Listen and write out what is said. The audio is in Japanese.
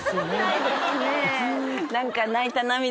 ないですね。